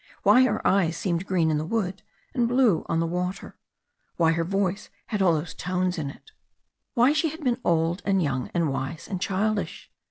Why her eyes seemed green in the wood and blue on the water. Why her voice had all those tones in it. Why she had been old and young, and wise and childish.